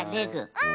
うん！